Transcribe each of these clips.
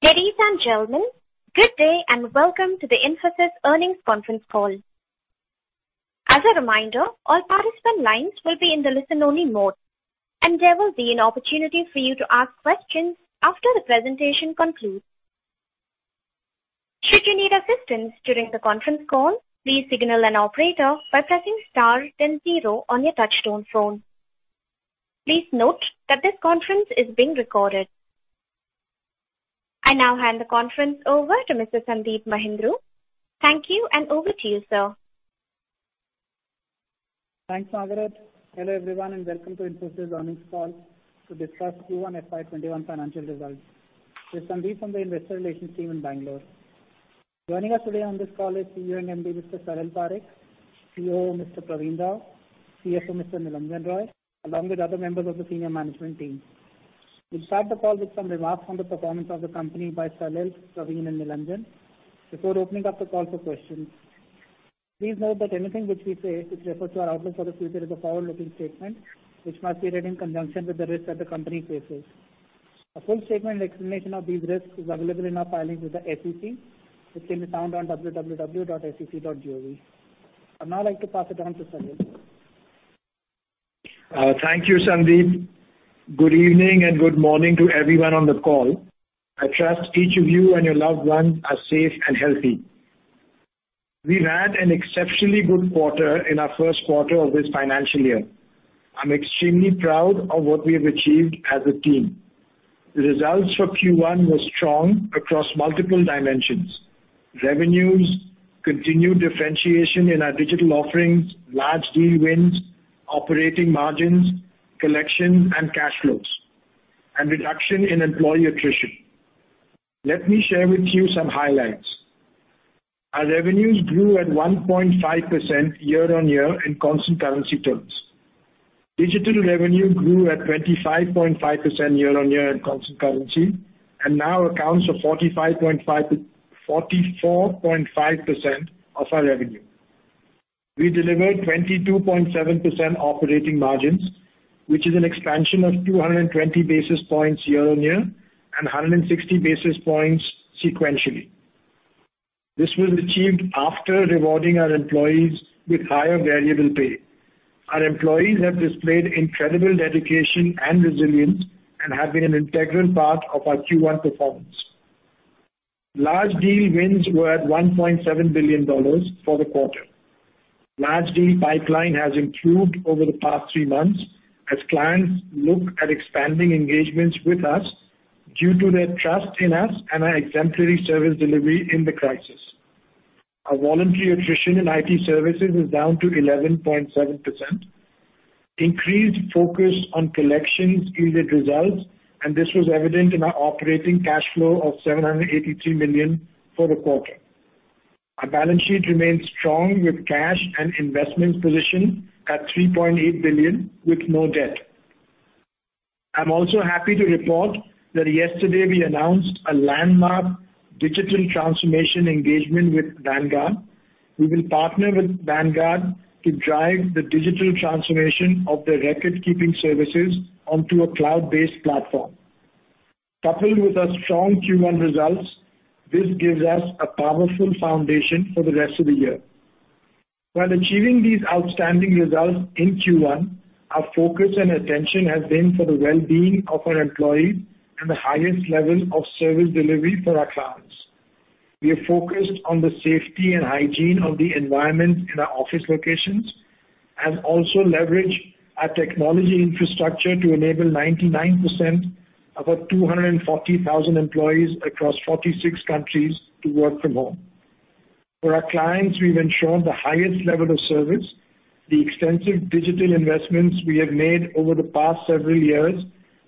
Ladies and gentlemen, good day and welcome to the Infosys earnings conference call. As a reminder, all participant lines will be in the listen only mode and there will be an opportunity for you to ask questions after the presentation concludes. Should you need assistance during the conference call, please signal an operator by pressing star then zero on your touchtone phone. Please note that this conference is being recorded. I now hand the conference over to Mr. Sandeep Mahindroo. Thank you, and over to you, sir. Thanks, Margaret. Hello, everyone, and welcome to Infosys earnings call to discuss Q1 FY21 financial results. This is Sandeep from the investor relations team in Bangalore. Joining us today on this call is CEO and MD, Mr. Salil Parekh; COO, Mr. Pravin Rao; CFO, Mr. Nilanjan Roy; along with other members of the senior management team. We'll start the call with some remarks on the performance of the company by Salil, Pravin, and Nilanjan before opening up the call for questions. Please note that anything which we say which refers to our outlook for the future is a forward-looking statement which must be read in conjunction with the risks that the company faces. A full statement explanation of these risks is available in our filings with the SEC, which can be found on www.sec.gov. I'd now like to pass it on to Salil. Thank you, Sandeep. Good evening and good morning to everyone on the call. I trust each of you and your loved ones are safe and healthy. We've had an exceptionally good quarter in our first quarter of this financial year. I'm extremely proud of what we have achieved as a team. The results for Q1 were strong across multiple dimensions. Revenues, continued differentiation in our Digital offerings, large deal wins, operating margins, collections and cash flows, and reduction in employee attrition. Let me share with you some highlights. Our revenues grew at 1.5% year-on-year in constant currency terms. Digital revenue grew at 25.5% year-on-year in constant currency and now accounts for 44.5% of our revenue. We delivered 22.7% operating margins, which is an expansion of 220 basis points year-on-year and 160 basis points sequentially. This was achieved after rewarding our employees with higher variable pay. Our employees have displayed incredible dedication and resilience and have been an integral part of our Q1 performance. Large deal wins were at $1.7 billion for the quarter. Large deal pipeline has improved over the past three months as clients look at expanding engagements with us due to their trust in us and our exemplary service delivery in the crisis. Our voluntary attrition in IT services is down to 11.7%. Increased focus on collections yielded results, and this was evident in our operating cash flow of $783 million for the quarter. Our balance sheet remains strong with cash and investments position at $3.8 billion with no debt. I'm also happy to report that yesterday we announced a landmark digital transformation engagement with Vanguard. We will partner with Vanguard to drive the digital transformation of their record-keeping services onto a cloud-based platform. Coupled with our strong Q1 results, this gives us a powerful foundation for the rest of the year. While achieving these outstanding results in Q1, our focus and attention has been for the well-being of our employees and the highest level of service delivery for our clients. We are focused on the safety and hygiene of the environments in our office locations and also leverage our technology infrastructure to enable 99%, about 240,000 employees across 46 countries to work from home. For our clients, we've ensured the highest level of service. The extensive digital investments we have made over the past several years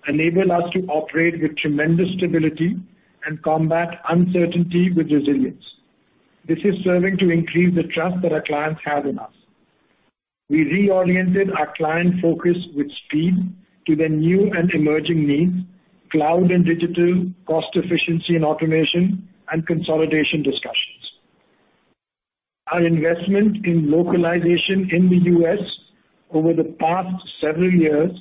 enable us to operate with tremendous stability and combat uncertainty with resilience. This is serving to increase the trust that our clients have in us. We reoriented our client focus with speed to their new and emerging needs, cloud and digital, cost efficiency and automation, and consolidation discussions. Our investment in localization in the U.S. over the past several years,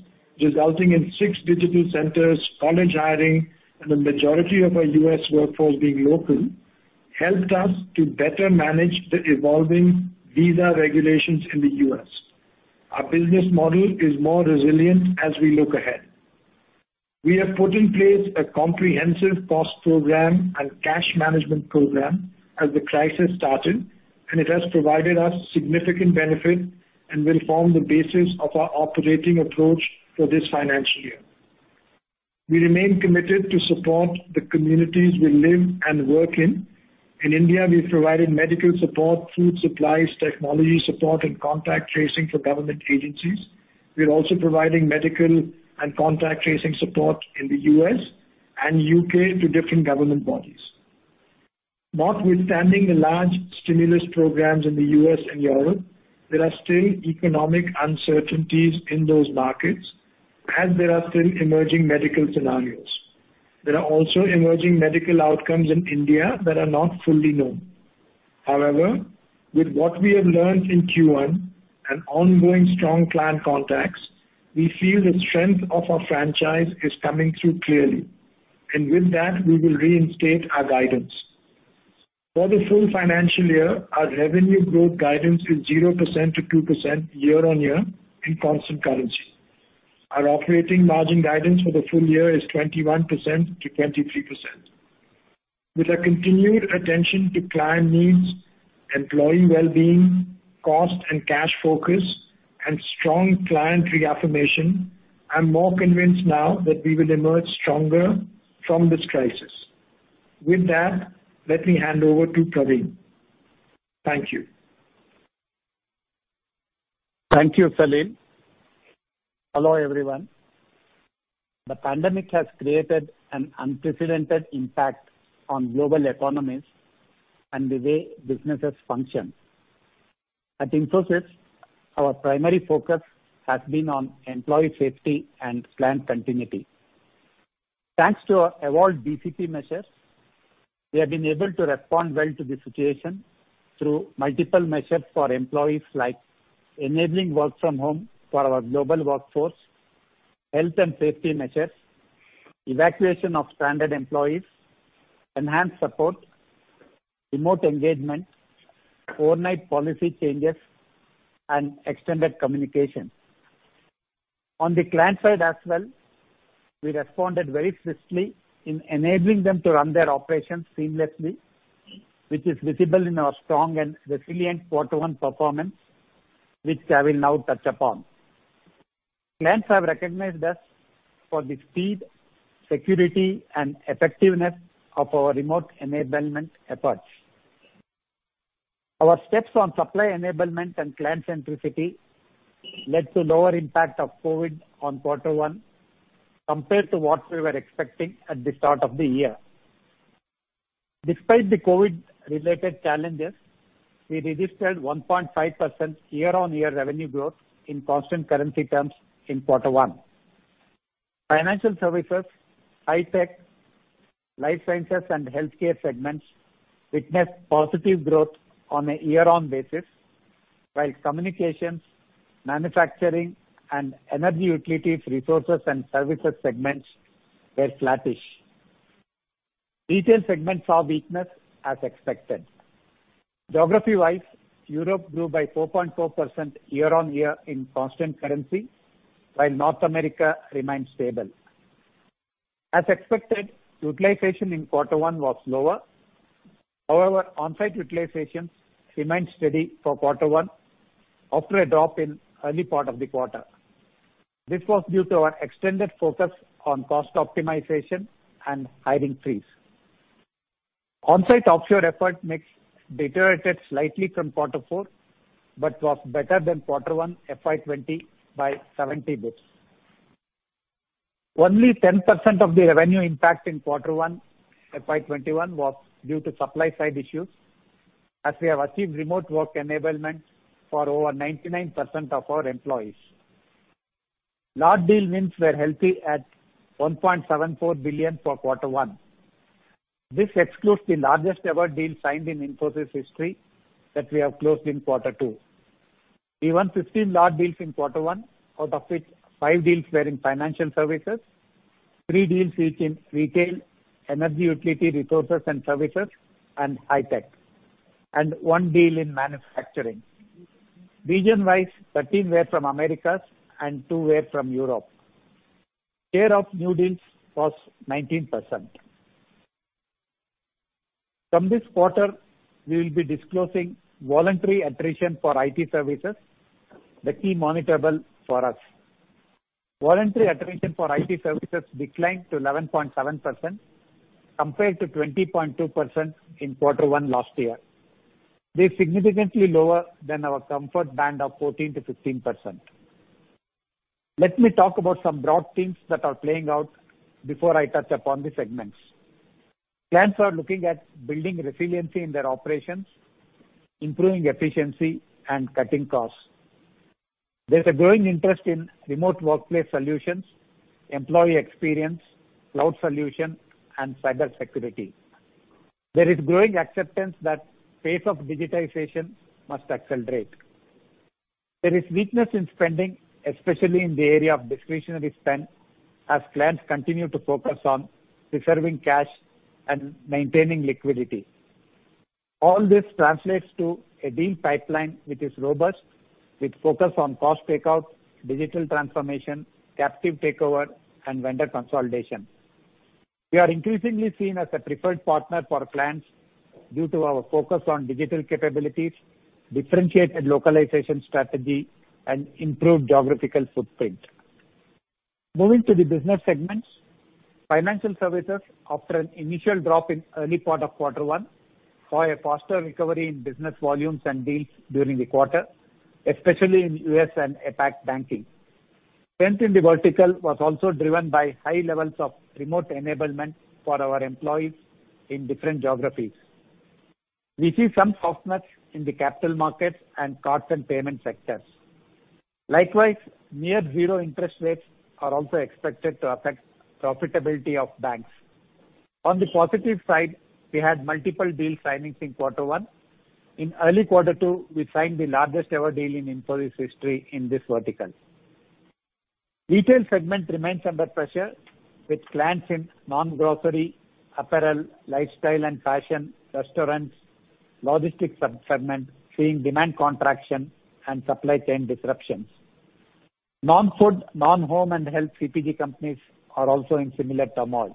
resulting in six digital centers, college hiring, and the majority of our U.S. workforce being local, helped us to better manage the evolving visa regulations in the U.S. Our business model is more resilient as we look ahead. We have put in place a comprehensive cost program and cash management program as the crisis started, and it has provided us significant benefit and will form the basis of our operating approach for this financial year. We remain committed to support the communities we live and work in. In India, we've provided medical support, food supplies, technology support, and contact tracing for government agencies. We are also providing medical and contact tracing support in the U.S. and U.K. to different government bodies. Notwithstanding the large stimulus programs in the U.S. and Europe, there are still economic uncertainties in those markets as there are still emerging medical scenarios. There are also emerging medical outcomes in India that are not fully known. With what we have learned in Q1 and ongoing strong client contacts, we feel the strength of our franchise is coming through clearly. With that, we will reinstate our guidance. For the full financial year, our revenue growth guidance is 0%-2% year-on-year in constant currency. Our operating margin guidance for the full year is 21%-23%. With our continued attention to client needs, employee wellbeing, cost and cash focus, and strong client reaffirmation, I'm more convinced now that we will emerge stronger from this crisis. With that, let me hand over to Pravin. Thank you. Thank you, Salil. Hello, everyone. The pandemic has created an unprecedented impact on global economies and the way businesses function. At Infosys, our primary focus has been on employee safety and client continuity. Thanks to our evolved BCP measures, we have been able to respond well to the situation through multiple measures for employees, like enabling work from home for our global workforce, health and safety measures, evacuation of stranded employees, enhanced support, remote engagement, overnight policy changes, and extended communication. On the client side as well, we responded very swiftly in enabling them to run their operations seamlessly, which is visible in our strong and resilient quarter one performance, which I will now touch upon. Clients have recognized us for the speed, security, and effectiveness of our remote enablement efforts. Our steps on supply enablement and client centricity led to lower impact of COVID on quarter one compared to what we were expecting at the start of the year. Despite the COVID-related challenges, we registered 1.5% year-on-year revenue growth in constant currency terms in quarter one. Financial services, high tech, life sciences, and healthcare segments witnessed positive growth on a year-on basis, while communications, manufacturing, and energy utilities resources and services segments were flattish. Retail segments saw weakness as expected. Geography-wise, Europe grew by 4.4% year-on-year in constant currency, while North America remained stable. As expected, utilization in quarter one was lower. However, on-site utilization remained steady for quarter one after a drop in early part of the quarter. This was due to our extended focus on cost optimization and hiring freeze. On-site offshore effort mix deteriorated slightly from quarter four, but was better than quarter one FY 2020 by 70 basis points. Only 10% of the revenue impact in quarter one FY 2021 was due to supply side issues, as we have achieved remote work enablement for over 99% of our employees. Large deal wins were healthy at $1.74 billion for quarter one. This excludes the largest-ever deal signed in Infosys history that we have closed in quarter two. We won 15 large deals in quarter one, out of which five deals were in financial services, three deals each in retail, energy utility resources and services, and high tech. One deal in manufacturing. Region-wise, 13 were from Americas and two were from Europe. Share of new deals was 19%. From this quarter, we will be disclosing voluntary attrition for IT services, the key monetizable for us. Voluntary attrition for IT services declined to 11.7% compared to 20.2% in quarter one last year. This is significantly lower than our comfort band of 14%-15%. Let me talk about some broad themes that are playing out before I touch upon the segments. Clients are looking at building resiliency in their operations, improving efficiency, and cutting costs. There's a growing interest in remote workplace solutions, employee experience, cloud solution, and cybersecurity. There is growing acceptance that pace of digitization must accelerate. There is weakness in spending, especially in the area of discretionary spend, as clients continue to focus on preserving cash and maintaining liquidity. All this translates to a deal pipeline which is robust, with focus on cost takeout, digital transformation, captive takeover, and vendor consolidation. We are increasingly seen as a preferred partner for clients due to our focus on digital capabilities, differentiated localization strategy, and improved geographical footprint. Moving to the business segments. Financial services, after an initial drop in early part of quarter one, saw a faster recovery in business volumes and deals during the quarter, especially in U.S. and APAC banking. Strength in the vertical was also driven by high levels of remote enablement for our employees in different geographies. We see some softness in the capital markets and cards and payment sectors. Likewise, near zero interest rates are also expected to affect profitability of banks. On the positive side, we had multiple deal signings in quarter one. In early quarter two, we signed the largest ever deal in Infosys history in this vertical. Retail segment remains under pressure, with clients in non-grocery, apparel, lifestyle and fashion, restaurants, logistics segment seeing demand contraction and supply chain disruptions. Non-food, non-home and health CPG companies are also in similar turmoil.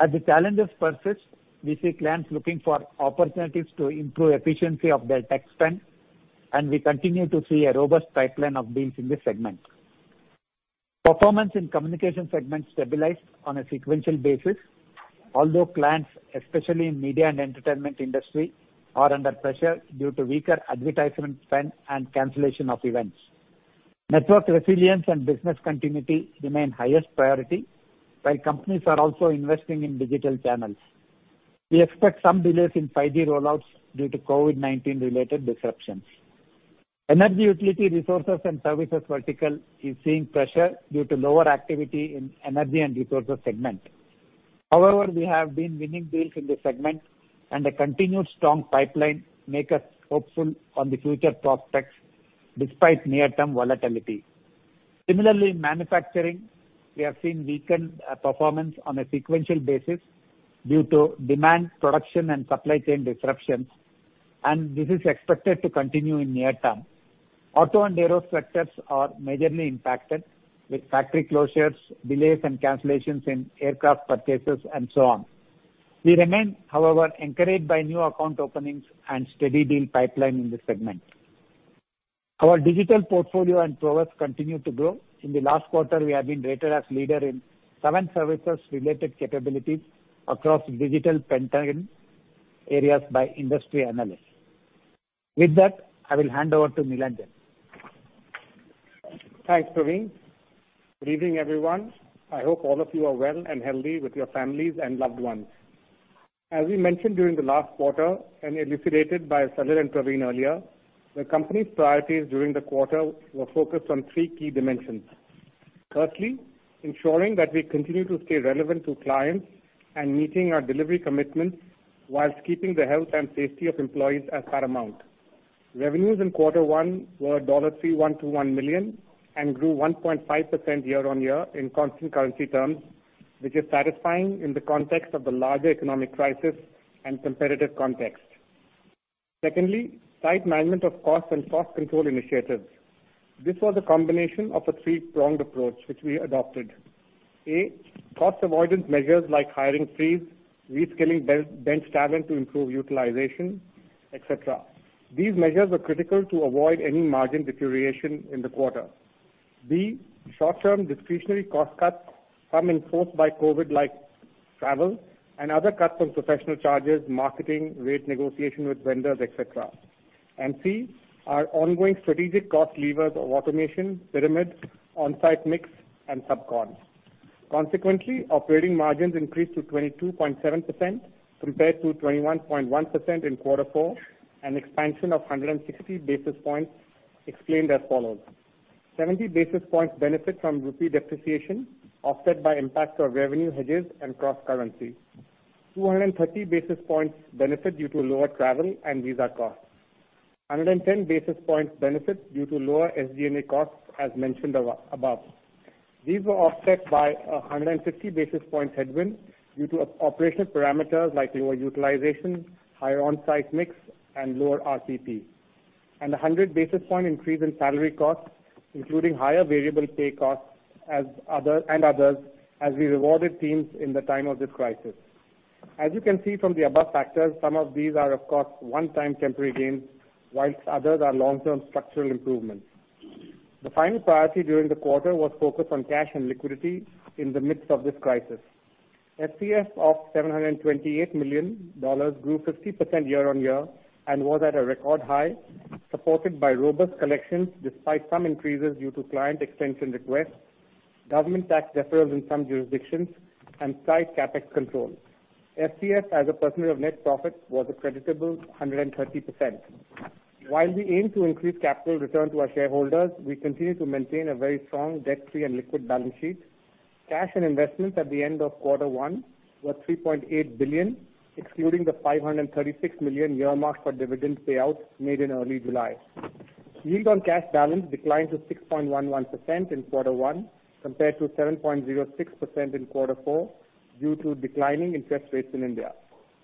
As the challenges persist, we see clients looking for opportunities to improve efficiency of their tech spend, and we continue to see a robust pipeline of deals in this segment. Performance in communication segment stabilized on a sequential basis. Although clients, especially in media and entertainment industry, are under pressure due to weaker advertisement spend and cancellation of events. Network resilience and business continuity remain highest priority, while companies are also investing in digital channels. We expect some delays in 5G rollouts due to COVID-19 related disruptions. Energy utility resources and services vertical is seeing pressure due to lower activity in energy and resources segment. However, we have been winning deals in this segment, and a continued strong pipeline make us hopeful on the future prospects despite near-term volatility. Similarly, in manufacturing, we have seen weakened performance on a sequential basis due to demand, production, and supply chain disruptions, and this is expected to continue in near term. Auto and aero sectors are majorly impacted with factory closures, delays and cancellations in aircraft purchases and so on. We remain, however, encouraged by new account openings and steady deal pipeline in this segment. Our digital portfolio and prowess continue to grow. In the last quarter, we have been rated as leader in seven services related capabilities across Digital Pentagon areas by industry analysts. With that, I will hand over to Nilanjan. Thanks, Pravin. Good evening, everyone. I hope all of you are well and healthy with your families and loved ones. As we mentioned during the last quarter and elucidated by Salil and Pravin earlier, the company's priorities during the quarter were focused on three key dimensions. Firstly, ensuring that we continue to stay relevant to clients and meeting our delivery commitments whilst keeping the health and safety of employees as paramount. Revenues in quarter one were $3,121 million and grew 1.5% year-on-year in constant currency terms, which is satisfying in the context of the larger economic crisis and competitive context. Secondly, tight management of costs and cost control initiatives. This was a combination of a three-pronged approach, which we adopted. A, cost avoidance measures like hiring freeze, reskilling bench talent to improve utilization, et cetera. These measures were critical to avoid any margin deterioration in the quarter. B, short-term discretionary cost cuts, some enforced by COVID, like travel and other cuts on professional charges, marketing, rate negotiation with vendors, et cetera. C, our ongoing strategic cost levers of automation, pyramids, on-site mix, and sub-con. Consequently, operating margins increased to 22.7% compared to 21.1% in quarter four, an expansion of 160 basis points explained as follows. Seventy basis points benefit from rupee depreciation, offset by impact of revenue hedges and cross currency. 230 basis points benefit due to lower travel and visa costs. 110 basis points benefit due to lower SG&A costs as mentioned above. These were offset by 150 basis points headwind due to operational parameters like lower utilization, higher on-site mix, and lower RPP. 100 basis point increase in salary costs, including higher variable pay costs and others, as we rewarded teams in the time of this crisis. As you can see from the above factors, some of these are of course one-time temporary gains, whilst others are long-term structural improvements. The final priority during the quarter was focused on cash and liquidity in the midst of this crisis. FCF of $728 million grew 50% year-on-year and was at a record high, supported by robust collections despite some increases due to client extension requests, government tax deferrals in some jurisdictions, and tight CapEx control. FCF as a percentage of net profit was a creditable 130%. While we aim to increase capital return to our shareholders, we continue to maintain a very strong debt-free and liquid balance sheet. Cash and investments at the end of quarter one were $3.8 billion, excluding the $536 million earmarked for dividend payouts made in early July. Yield on cash balance declined to 6.11% in quarter 1 compared to 7.06% in quarter 4 due to declining interest rates in India.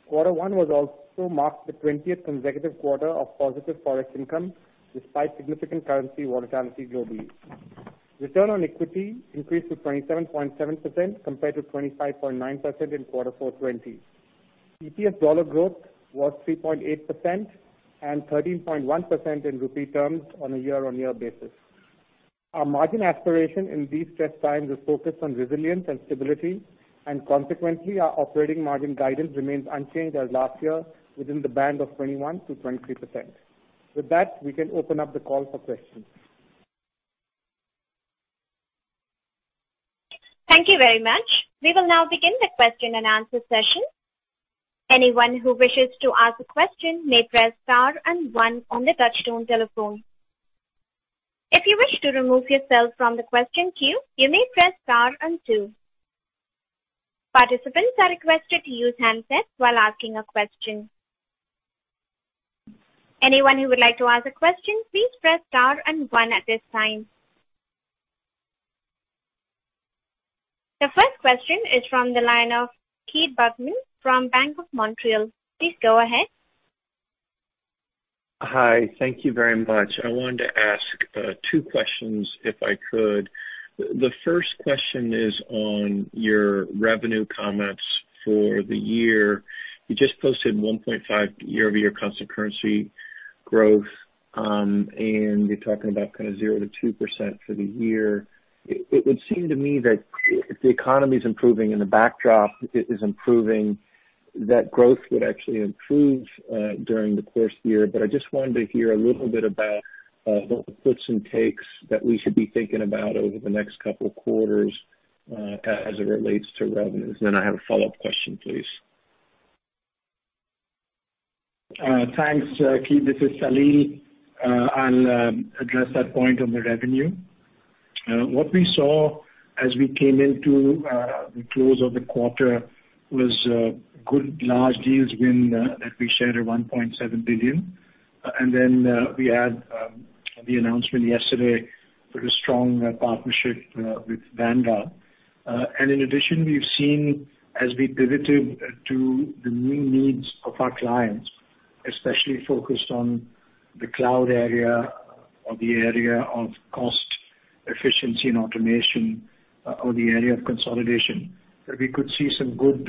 Quarter 1 was also marked the 20th consecutive quarter of positive Forex income despite significant currency volatility globally. Return on equity increased to 27.7% compared to 25.9% in quarter 4 2020. EPS dollar growth was 3.8% and 13.1% in rupee terms on a year-on-year basis. Our margin aspiration in these stressed times is focused on resilience and stability. Consequently, our operating margin guidance remains unchanged as last year within the band of 21%-23%. With that, we can open up the call for questions. Thank you very much. We will now begin the question and answer session. Anyone who wishes to ask a question may press star and one on the touchtone telephone. If you wish to remove yourself from the question queue, you may press star and two. Participants are requested to use handsets while asking a question. Anyone who would like to ask a question, please press star and one at this time. The first question is from the line of Keith Bachman from Bank of Montreal. Please go ahead. Hi. Thank you very much. I wanted to ask two questions if I could. The first question is on your revenue comments for the year. You just posted 1.5 year-over-year constant currency growth, and you're talking about 0%-2% for the year. It would seem to me that if the economy's improving and the backdrop is improving, that growth would actually improve during the course of the year. I just wanted to hear a little bit about what the puts and takes that we should be thinking about over the next couple of quarters as it relates to revenues. I have a follow-up question, please. Thanks, Keith. This is Salil. I'll address that point on the revenue. What we saw as we came into the close of the quarter was a good large deals win that we shared at $ 1.7 billion. We had the announcement yesterday with a strong partnership with Vanguard. In addition, we've seen as we pivoted to the new needs of our clients, especially focused on the cloud area or the area of cost efficiency and automation or the area of consolidation, that we could see some good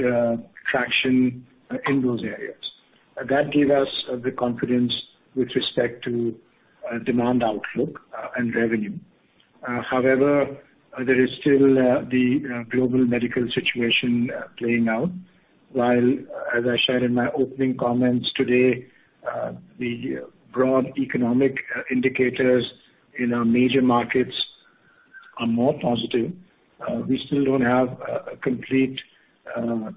traction in those areas. That gave us the confidence with respect to demand outlook and revenue. However, there is still the global medical situation playing out, while, as I shared in my opening comments today, the broad economic indicators in our major markets are more positive. We still don't have complete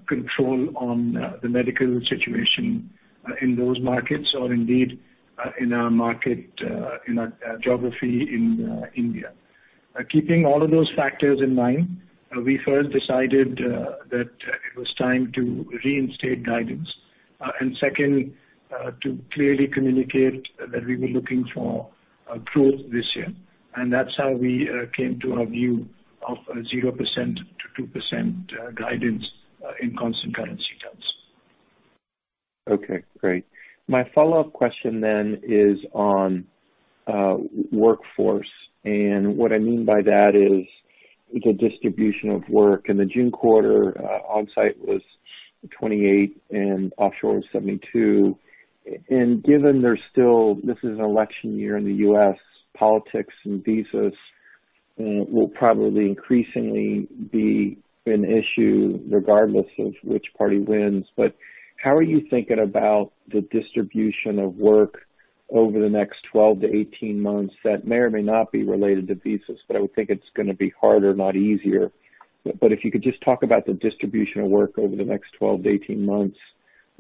control on the medical situation in those markets or indeed in our geography in India. Keeping all of those factors in mind, we first decided that it was time to reinstate guidance, and second, to clearly communicate that we were looking for growth this year. That's how we came to our view of 0%-2% guidance in constant currency terms. Okay, great. My follow-up question is on workforce. What I mean by that is the distribution of work. In the June quarter, onsite was 28% and offshore was 72%. Given this is an election year in the U.S., politics and visas will probably increasingly be an issue regardless of which party wins. How are you thinking about the distribution of work over the next 12-18 months that may or may not be related to visas, but I would think it's going to be harder, not easier. If you could just talk about the distribution of work over the next 12-18 months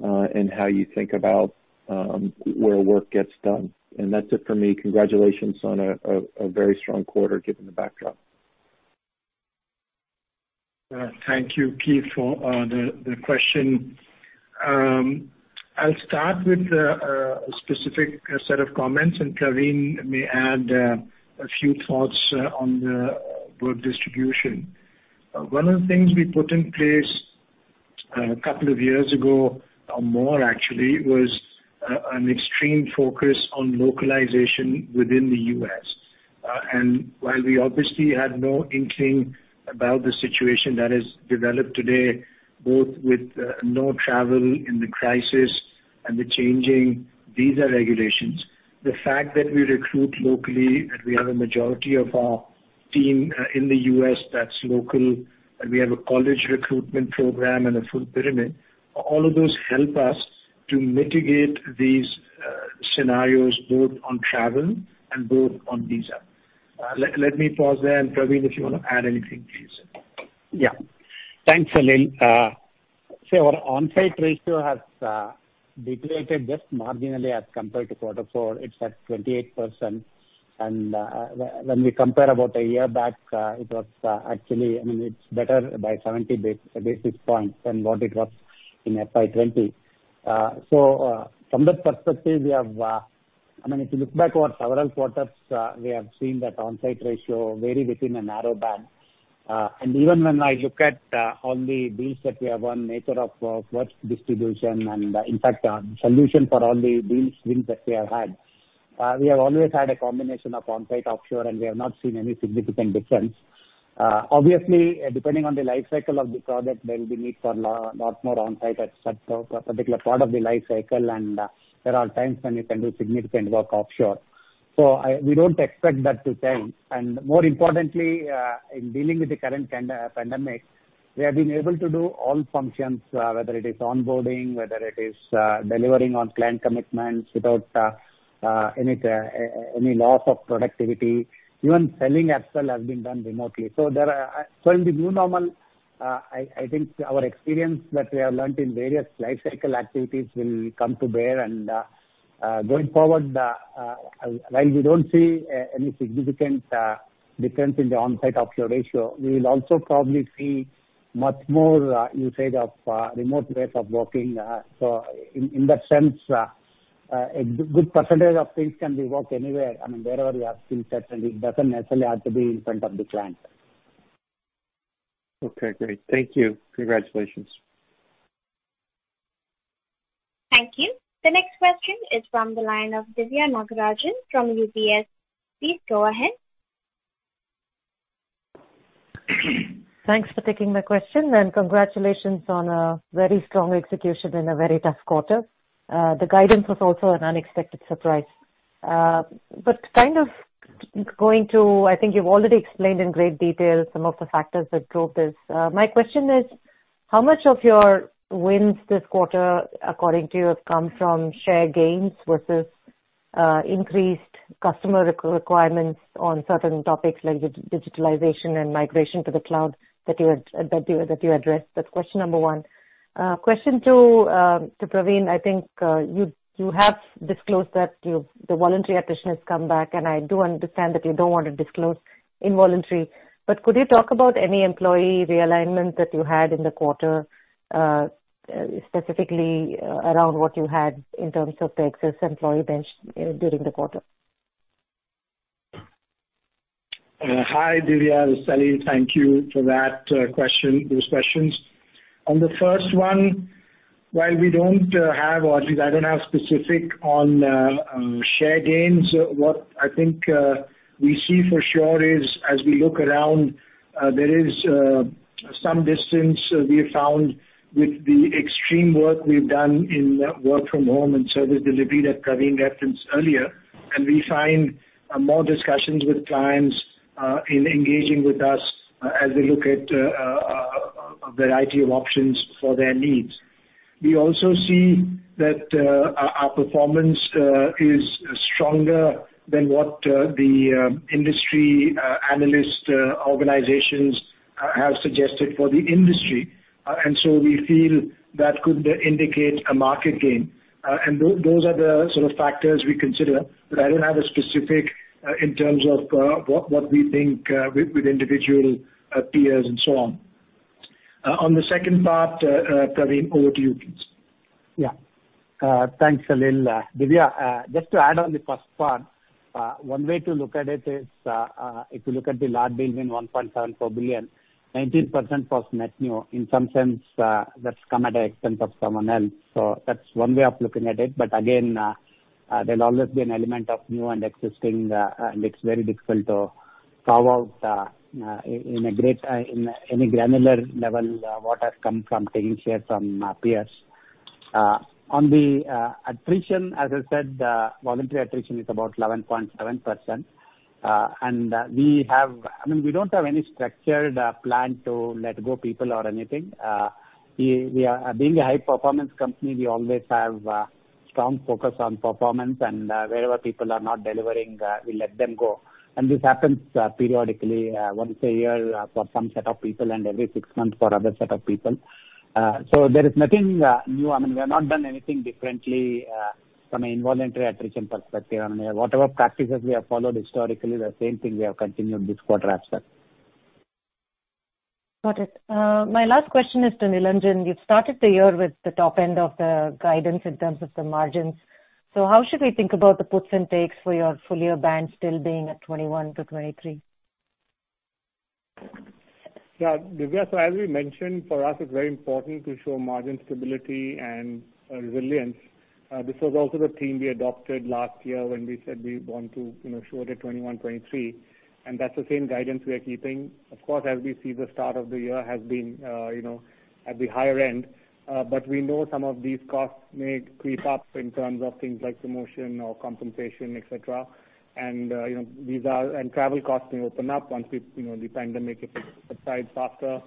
and how you think about where work gets done. That's it for me. Congratulations on a very strong quarter, given the backdrop. Thank you, Keith, for the question. I'll start with a specific set of comments, and Pravin may add a few thoughts on the work distribution. One of the things we put in place a couple of years ago, or more actually, was an extreme focus on localization within the U.S. While we obviously had no inkling about the situation that has developed today, both with no travel in the crisis and the changing visa regulations, the fact that we recruit locally and we have a majority of our team in the U.S. that's local, and we have a college recruitment program and a full pyramid, all of those help us to mitigate these scenarios, both on travel and both on visa. Let me pause there, and Pravin, if you want to add anything, please. Yeah. Thanks, Salil. Our onsite ratio has depleted just marginally as compared to quarter four. It's at 28%. When we compare about a year back, it's better by 70 basis points than what it was in FY 2020. From that perspective, if you look back over several quarters, we have seen that onsite ratio vary within a narrow band. Even when I look at all the deals that we have won, nature of work distribution, and in fact, solution for all the deals wins that we have had, we have always had a combination of onsite, offshore, and we have not seen any significant difference. Obviously, depending on the life cycle of the product, there will be need for a lot more onsite at a particular part of the life cycle, and there are times when you can do significant work offshore. We don't expect that to change, and more importantly, in dealing with the current pandemic. We have been able to do all functions, whether it is onboarding, whether it is delivering on client commitments without any loss of productivity. Even selling itself has been done remotely. In the new normal, I think our experience that we have learned in various life cycle activities will come to bear and going forward, while we don't see any significant difference in the on-site ratio, we will also probably see much more usage of remote ways of working. In that sense, a good percentage of things can be worked anywhere. I mean, wherever we have skill sets, and it doesn't necessarily have to be in front of the client. Okay, great. Thank you. Congratulations. Thank you. The next question is from the line of Diviya Nagarajan from UBS. Please go ahead. Thanks for taking my question, and congratulations on a very strong execution in a very tough quarter. The guidance was also an unexpected surprise. I think you've already explained in great detail some of the factors that drove this. My question is, how much of your wins this quarter, according to you, have come from share gains versus increased customer requirements on certain topics like digitalization and migration to the cloud that you addressed? That's question number 1. Question 2, to Pravin, I think you have disclosed that the voluntary attrition has come back, and I do understand that you don't want to disclose involuntary. Could you talk about any employee realignment that you had in the quarter, specifically around what you had in terms of the excess employee bench during the quarter? Hi, Diviya. This is Salil. Thank you for those questions. On the first one, while we don't have, or at least I don't have specific on share gains, what I think we see for sure is as we look around, there is some distance we have found with the extreme work we've done in work from home and service delivery that Pravin referenced earlier. We find more discussions with clients in engaging with us as we look at a variety of options for their needs. We also see that our performance is stronger than what the industry analyst organizations have suggested for the industry. We feel that could indicate a market gain. Those are the sort of factors we consider, but I don't have a specific in terms of what we think with individual peers and so on. On the second part, Pravin, over to you please. Yeah. Thanks, Salil. Diviya, just to add on the first part. One way to look at it is, if you look at the large deal, being $1.74 billion, 19% was net new. That's one way of looking at it. Again, there'll always be an element of new and existing, and it's very difficult to carve out in any granular level what has come from taking shares from peers. On the attrition, as I said, voluntary attrition is about 11.7%. We don't have any structured plan to let go of people or anything. Being a high-performance company, we always have a strong focus on performance, and wherever people are not delivering, we let them go. This happens periodically, once a year for some set of people and every six months for other set of people. There is nothing new. I mean, we have not done anything differently from an involuntary attrition perspective. I mean, whatever practices we have followed historically, the same thing we have continued this quarter as well. Got it. My last question is to Nilanjan. You've started the year with the top end of the guidance in terms of the margins. How should we think about the puts and takes for your full year band still being at 21%-23%? Yeah, Diviya. As we mentioned, for us, it's very important to show margin stability and resilience. This was also the theme we adopted last year when we said we want to show the 21%-23%, and that's the same guidance we are keeping. Of course, as we see, the start of the year has been at the higher end. We know some of these costs may creep up in terms of things like promotion or compensation, et cetera. Travel costs may open up once the pandemic subsides faster.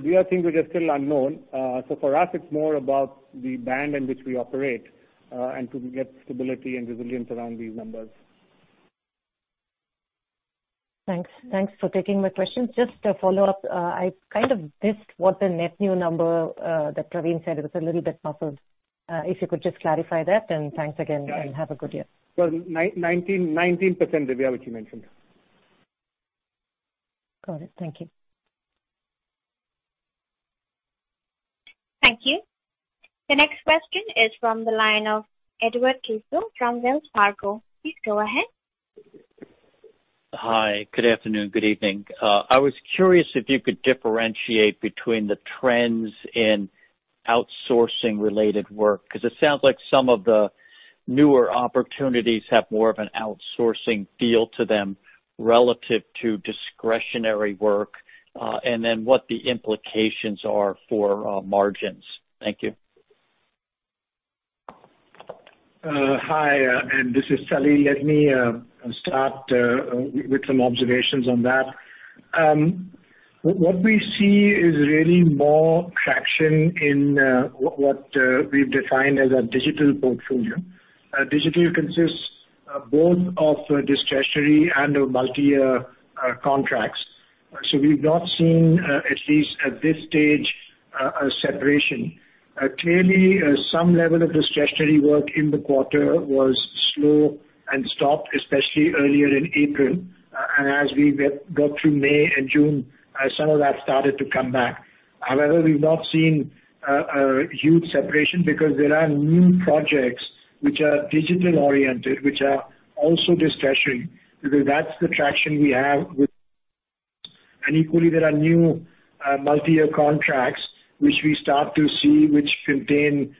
These are things which are still unknown. For us, it's more about the band in which we operate, and to get stability and resilience around these numbers. Thanks. Thanks for taking my questions. Just a follow-up. I kind of missed what the net new number that Pravin said. It was a little bit muffled. If you could just clarify that, then thanks again, and have a good year. 19%, Diviya, which we mentioned. Got it. Thank you. Thank you. The next question is from the line of Edward Keith from Wells Fargo. Please go ahead. Hi, good afternoon, good evening. I was curious if you could differentiate between the trends in outsourcing-related work, because it sounds like some of the newer opportunities have more of an outsourcing feel to them relative to discretionary work. What the implications are for margins? Thank you. Hi, this is Salil. Let me start with some observations on that. What we see is really more traction in what we've defined as a digital portfolio. Digital consists both of discretionary and of multi-year contracts. We've not seen, at least at this stage, a separation. Clearly, some level of discretionary work in the quarter was slow and stopped, especially earlier in April. As we got through May and June, some of that started to come back. However, we've not seen a huge separation because there are new projects which are digitally oriented, which are also discretionary, because that's the traction we have with and equally, there are new multi-year contracts which we start to see, which contain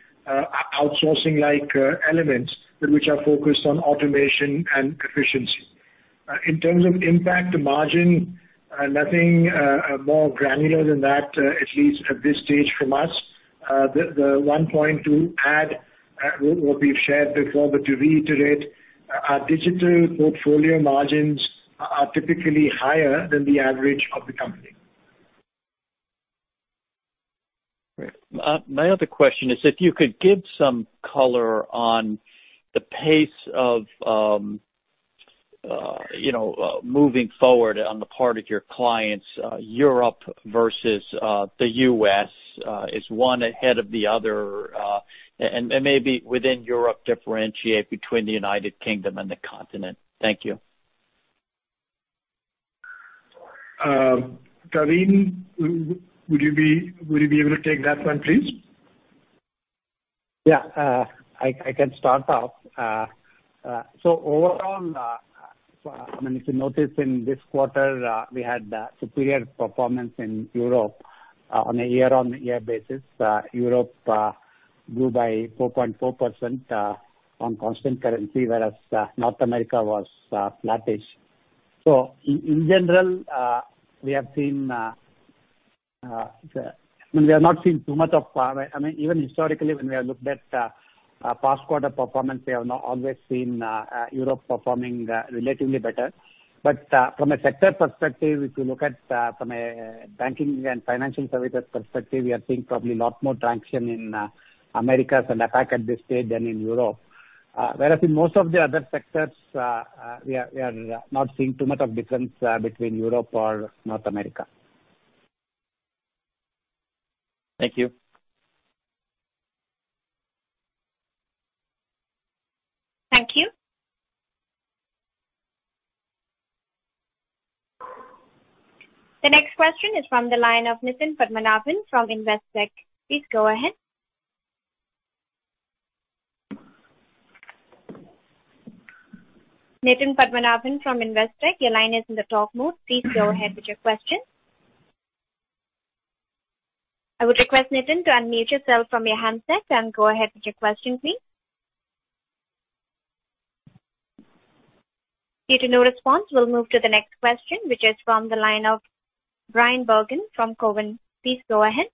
outsourcing-like elements, but which are focused on automation and efficiency. In terms of impact to margin, nothing more granular than that, at least at this stage from us. The one point to add, what we've shared before, but to reiterate, our digital portfolio margins are typically higher than the average of the company. Great. My other question is if you could give some color on the pace of moving forward on the part of your clients, Europe versus the U.S. Is one ahead of the other? Maybe within Europe, differentiate between the U.K. and the continent. Thank you. Pravin, would you be able to take that one, please? Yeah, I can start off. Overall, if you notice in this quarter, we had superior performance in Europe on a year-on-year basis. Europe grew by 4.4% on constant currency, whereas North America was flattish. In general, we have not seen too much of even historically, when we have looked at past quarter performance, we have not always seen Europe performing relatively better. From a sector perspective, if you look at from a banking and financial services perspective, we are seeing probably a lot more traction in Americas and APAC at this stage than in Europe. Whereas in most of the other sectors, we are not seeing too much of difference between Europe or North America. Thank you. Thank you. The next question is from the line of Nitin Padmanabhan from Investec. Please go ahead. Nitin Padmanabhan from Investec, your line is in the talk mode. Please go ahead with your question. I would request Nitin to unmute yourself from your handset and go ahead with your question, please. Due to no response, we'll move to the next question, which is from the line of Bryan Bergin from Cowen. Please go ahead.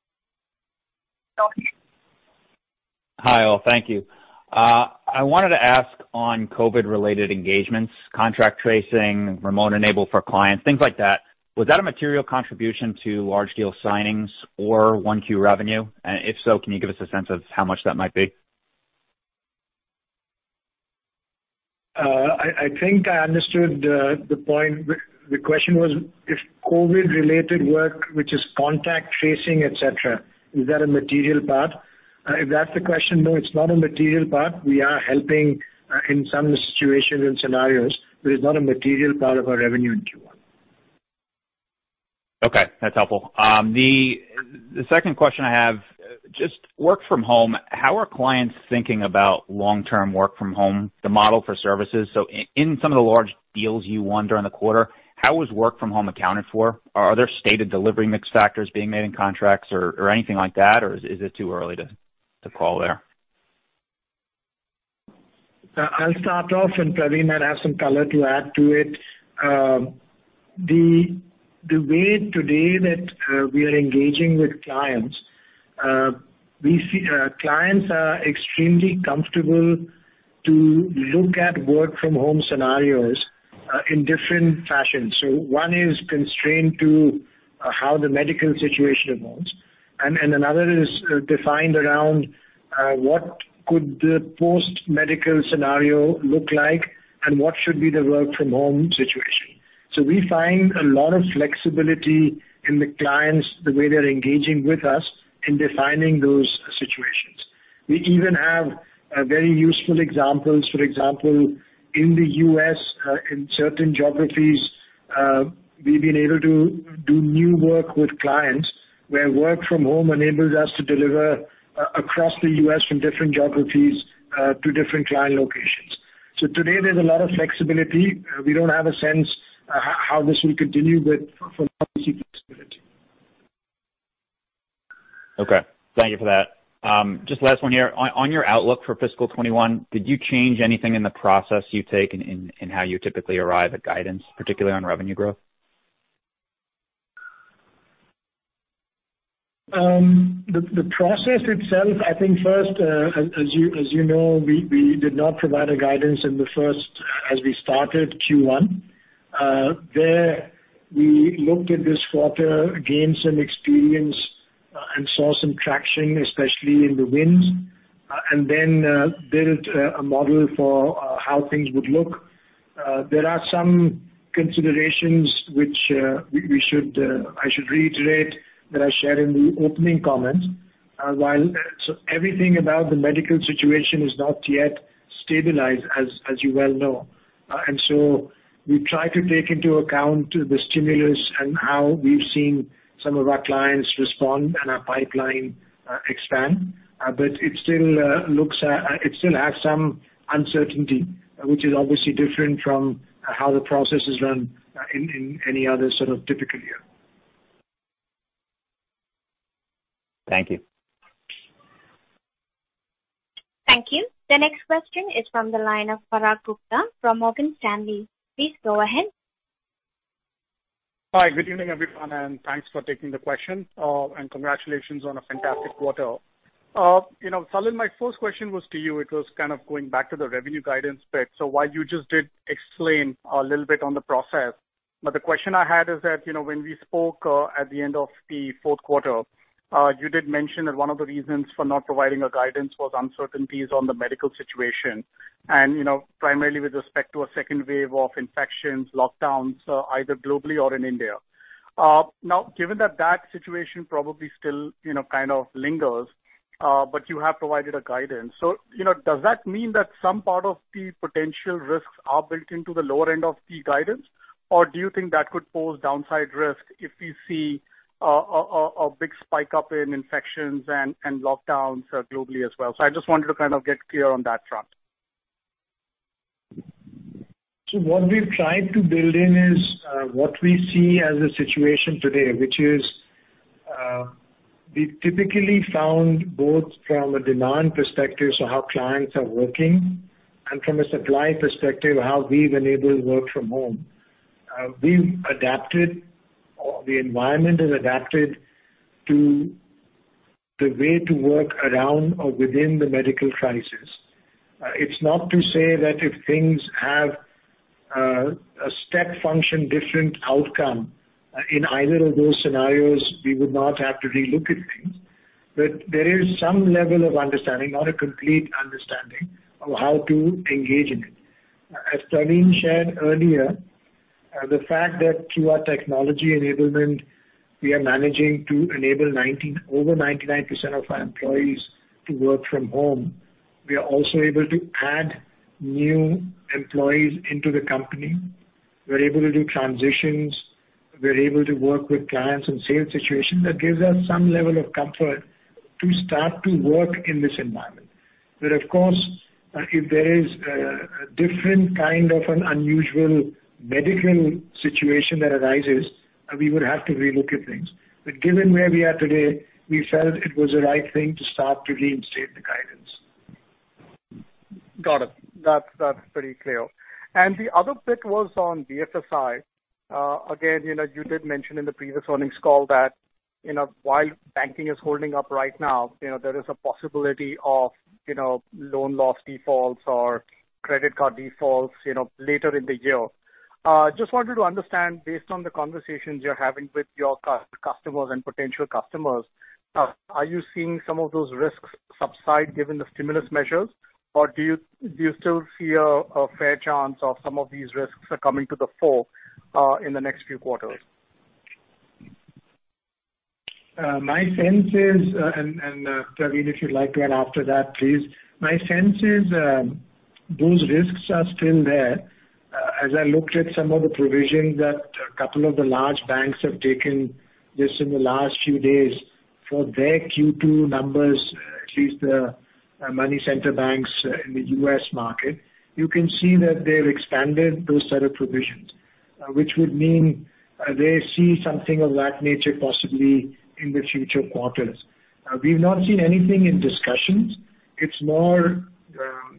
Hi, all. Thank you. I wanted to ask on COVID-related engagements, contract tracing, remote enable for clients, things like that, was that a material contribution to large deal signings or 1Q revenue? If so, can you give us a sense of how much that might be? I think I understood the point. The question was if COVID-related work, which is contact tracing, et cetera, is that a material part? If that's the question, no, it's not a material part. We are helping in some situations and scenarios, but it's not a material part of our revenue in Q1. Okay. That's helpful. The second question I have, just work from home, how are clients thinking about long-term work from home, the model for services? In some of the large deals you won during the quarter, how was work from home accounted for? Are there stated delivery mix factors being made in contracts or anything like that? Or is it too early to call there? I'll start off and Pravin might have some color to add to it. The way today that we are engaging with clients, we see clients are extremely comfortable to look at work from home scenarios in different fashions. One is constrained to how the medical situation evolves, and another is defined around what could the post-medical scenario look like and what should be the work from home situation. We find a lot of flexibility in the clients, the way they're engaging with us in defining those situations. We even have very useful examples. For example, in the U.S., in certain geographies, we've been able to do new work with clients where work from home enables us to deliver across the U.S. from different geographies to different client locations. Today, there's a lot of flexibility. We don't have a sense how this will continue, but for now we see flexibility. Okay. Thank you for that. Just last one here. On your outlook for fiscal 2021, did you change anything in the process you take in how you typically arrive at guidance, particularly on revenue growth? The process itself, I think first, as you know, we did not provide a guidance in the first, as we started Q1. There, we looked at this quarter, gained some experience and saw some traction, especially in the wins, and then built a model for how things would look. There are some considerations which I should reiterate that I shared in the opening comments. Everything about the medical situation is not yet stabilized, as you well know. We try to take into account the stimulus and how we've seen some of our clients respond and our pipeline expand. It still has some uncertainty, which is obviously different from how the process is run in any other sort of typical year. Thank you. Thank you. The next question is from the line of Parag Gupta from Morgan Stanley. Please go ahead. Hi. Good evening, everyone, and thanks for taking the question, and congratulations on a fantastic quarter. Salil, my first question was to you. It was kind of going back to the revenue guidance bit. While you just did explain a little bit on the process, but the question I had is that, when we spoke at the end of the fourth quarter, you did mention that one of the reasons for not providing a guidance was uncertainties on the medical situation, and primarily with respect to a second wave of infections, lockdowns, either globally or in India. Given that that situation probably still kind of lingers, but you have provided a guidance. Does that mean that some part of the potential risks are built into the lower end of the guidance? Do you think that could pose downside risk if we see a big spike up in infections and lockdowns globally as well? I just wanted to kind of get clear on that front. What we've tried to build in is what we see as the situation today, which is, we've typically found both from a demand perspective, so how clients are working, and from a supply perspective, how we've enabled work from home. We've adapted, or the environment has adapted to the way to work around or within the medical crisis. It's not to say that if things have a step function, different outcome in either of those scenarios, we would not have to relook at things. There is some level of understanding, not a complete understanding, of how to engage in it. As Pravin shared earlier, the fact that through our technology enablement, we are managing to enable over 99% of our employees to work from home. We are also able to add new employees into the company. We're able to do transitions. We're able to work with clients in sales situations. That gives us some level of comfort to start to work in this environment. Of course, if there is a different kind of an unusual medical situation that arises, we would have to relook at things. Given where we are today, we felt it was the right thing to start to reinstate the guidance. Got it. That's pretty clear. The other bit was on BFSI. Again, you did mention in the previous earnings call that, while banking is holding up right now, there is a possibility of loan loss defaults or credit card defaults later in the year. Just wanted to understand, based on the conversations you're having with your customers and potential customers, are you seeing some of those risks subside given the stimulus measures, or do you still see a fair chance of some of these risks coming to the fore in the next few quarters? My sense is, and Pravin, if you'd like to add after that, please. My sense is those risks are still there. As I looked at some of the provisions that a couple of the large banks have taken just in the last few days for their Q2 numbers, at least the money center banks in the U.S. market, you can see that they've expanded those set of provisions. Which would mean they see something of that nature possibly in the future quarters. We've not seen anything in discussions. It's more a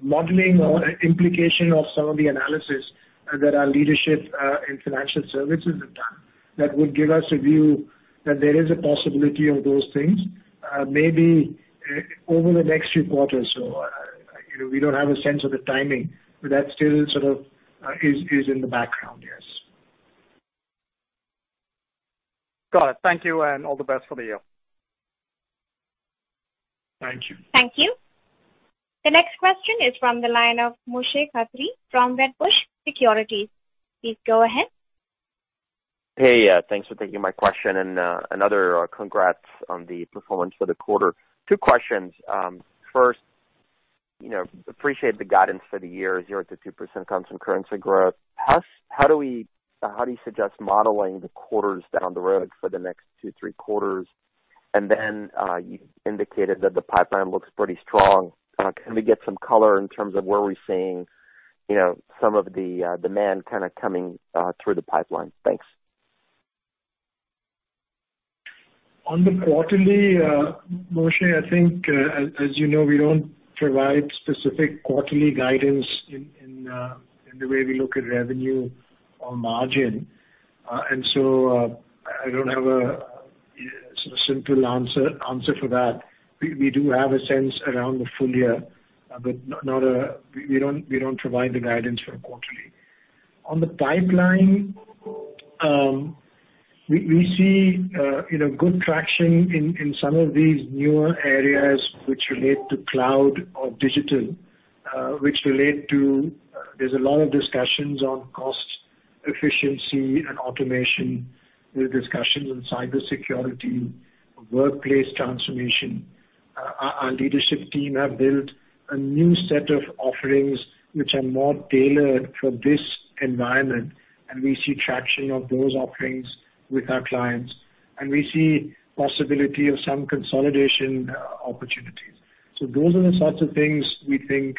modeling or implication of some of the analysis that our leadership in financial services have done that would give us a view that there is a possibility of those things, maybe over the next few quarters. We don't have a sense of the timing, but that still sort of is in the background, yes. Got it. Thank you, and all the best for the year. Thank you. Thank you. The next question is from the line of Moshe Katri from Wedbush Securities. Please go ahead. Hey, thanks for taking my question and another congrats on the performance for the quarter. Two questions. First, appreciate the guidance for the year, 0%-2% constant currency growth. How do you suggest modeling the quarters down the road for the next two, three quarters? You indicated that the pipeline looks pretty strong. Can we get some color in terms of where we're seeing some of the demand coming through the pipeline? Thanks. On the quarterly, Moshe, I think, as you know, we don't provide specific quarterly guidance in the way we look at revenue or margin. I don't have a simple answer for that. We do have a sense around the full year, but we don't provide the guidance for quarterly. On the pipeline, we see good traction in some of these newer areas which relate to cloud or digital, There's a lot of discussions on cost efficiency and automation. There are discussions on cybersecurity, workplace transformation. Our leadership team have built a new set of offerings which are more tailored for this environment, and we see traction of those offerings with our clients. We see possibility of some consolidation opportunities. Those are the sorts of things we think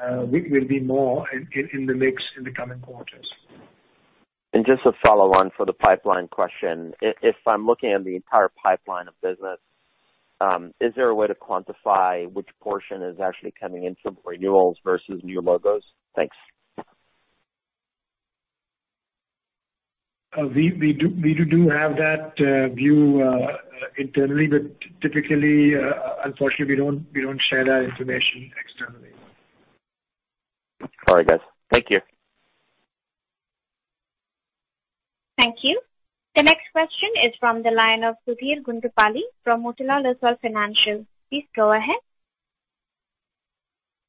will be more in the mix in the coming quarters. Just a follow-on for the pipeline question. If I'm looking at the entire pipeline of business, is there a way to quantify which portion is actually coming in from renewals versus new logos? Thanks. We do have that view internally, but typically, unfortunately, we don't share that information externally. All right, guys. Thank you. Thank you. The next question is from the line of Sudhir Gundupalli from Motilal Oswal Financial. Please go ahead.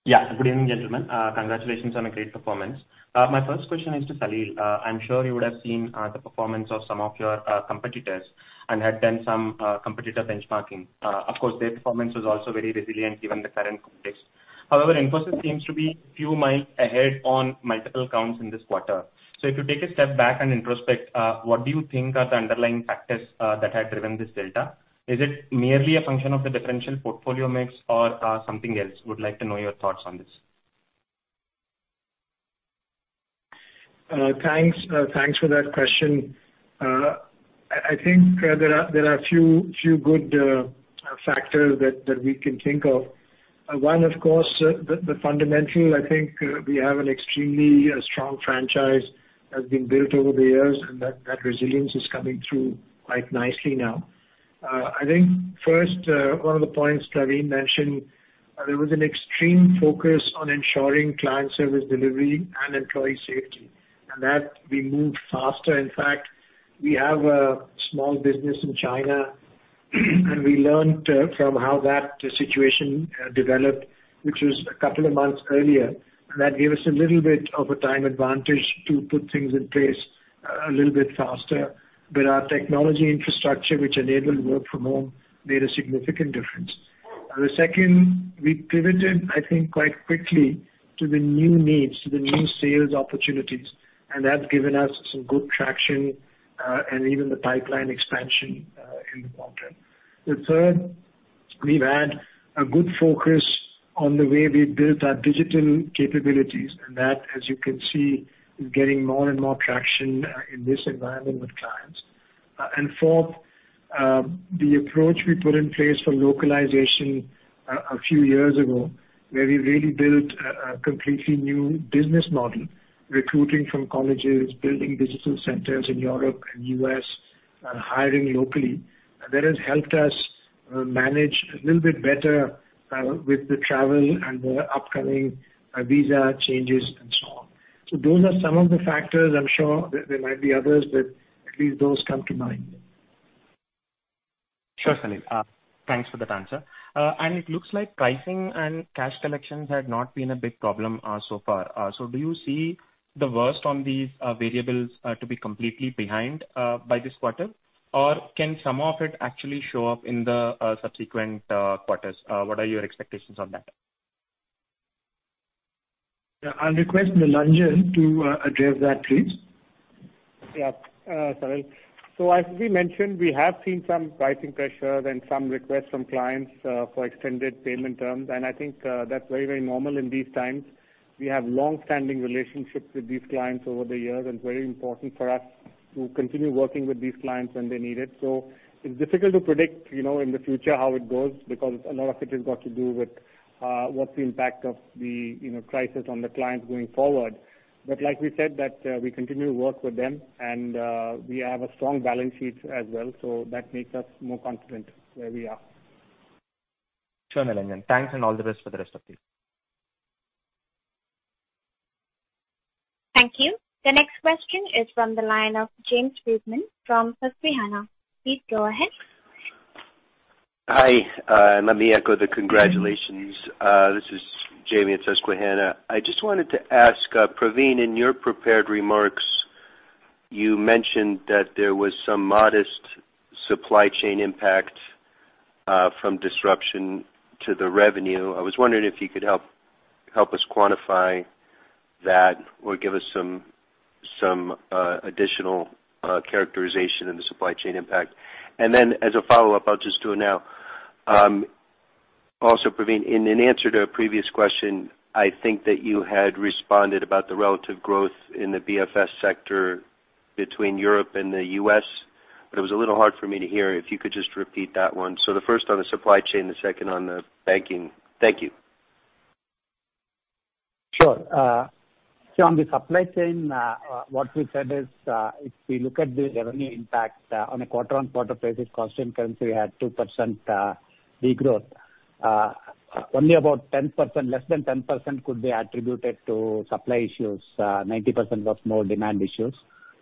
Yeah. Good evening, gentlemen. Congratulations on a great performance. My first question is to Salil. I'm sure you would have seen the performance of some of your competitors and had done some competitor benchmarking. Of course, their performance was also very resilient given the current context. However, Infosys seems to be a few miles ahead on multiple counts in this quarter. If you take a step back and introspect, what do you think are the underlying factors that have driven this delta? Is it merely a function of the differential portfolio mix or something else? I would like to know your thoughts on this. Thanks for that question. I think there are few good factors that we can think of. One, of course, the fundamental, I think we have an extremely strong franchise that has been built over the years, and that resilience is coming through quite nicely now. I think first, one of the points Pravin mentioned, there was an extreme focus on ensuring client service delivery and employee safety, that we moved faster. In fact, we have a small business in China, and we learned from how that situation developed, which was a couple of months earlier. That gave us a little bit of a time advantage to put things in place a little bit faster. Our technology infrastructure, which enabled work from home, made a significant difference. The second, we pivoted, I think, quite quickly to the new needs, to the new sales opportunities, and that's given us some good traction, and even the pipeline expansion in the quarter. The third, we've had a good focus on the way we built our digital capabilities, and that, as you can see, is getting more and more traction in this environment with clients. Fourth, the approach we put in place for localization a few years ago, where we really built a completely new business model, recruiting from colleges, building digital centers in Europe and U.S., hiring locally. That has helped us manage a little bit better with the travel and the upcoming visa changes and so on. Those are some of the factors. I'm sure there might be others, but at least those come to mind. Sure, Salil. Thanks for that answer. It looks like pricing and cash collections had not been a big problem so far. Do you see the worst on these variables to be completely behind by this quarter? Can some of it actually show up in the subsequent quarters? What are your expectations on that? Yeah. I'll request Nilanjan to address that, please. Yeah. Salil. As we mentioned, we have seen some pricing pressure and some requests from clients for extended payment terms, I think that's very, very normal in these times. We have long-standing relationships with these clients over the years, it's very important for us to continue working with these clients when they need it. It's difficult to predict in the future how it goes because a lot of it has got to do with what's the impact of the crisis on the clients going forward. Like we said, that we continue to work with them and we have a strong balance sheet as well, that makes us more confident where we are. Sure, Nilanjan. Thanks, and all the best for the rest of the year. Thank you. The next question is from the line of Jamie Friedman from Susquehanna. Please go ahead. Hi. Let me echo the congratulations. This is Jamie at Susquehanna. I just wanted to ask, Pravin, in your prepared remarks, you mentioned that there was some modest supply chain impact from disruption to the revenue. I was wondering if you could help us quantify that or give us some additional characterization in the supply chain impact. Then as a follow-up, I'll just do it now. Yeah. Pravin, in an answer to a previous question, I think that you had responded about the relative growth in the BFS sector between Europe and the U.S., but it was a little hard for me to hear, if you could just repeat that one. The first on the supply chain, the second on the banking. Thank you. Sure. On the supply chain, what we said is, if we look at the revenue impact on a quarter-on-quarter basis, constant currency had 2% de-growth. Only about less than 10% could be attributed to supply issues. 90% was more demand issues.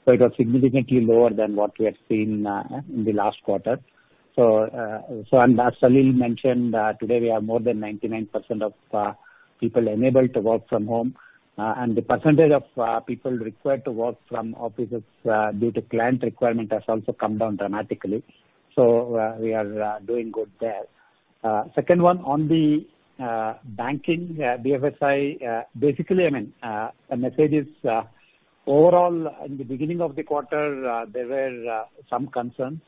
It was significantly lower than what we had seen in the last quarter. As Salil mentioned, today we have more than 99% of people enabled to work from home. The percentage of people required to work from offices, due to client requirement, has also come down dramatically. We are doing good there. Second one, on the banking BFSI, basically, the message is, overall, in the beginning of the quarter, there were some concerns.